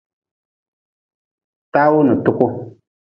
Tawu n tuku.